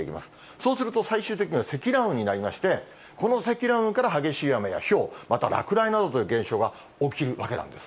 そうすると最終的には積乱雲になりまして、この積乱雲から激しい雨やひょう、また落雷などという現象が起きる